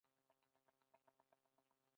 د اقلیم بدلون ته نه پام غفلت دی.